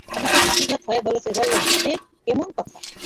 আদিত্য বিসিমত হয়ে বললে, সে কেমন কথা।